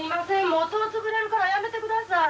もう戸が潰れるからやめてください。